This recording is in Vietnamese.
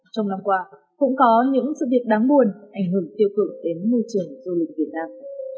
trong năm qua cũng có những sự việc đáng buồn ảnh hưởng tiêu cực đến môi trường du lịch việt nam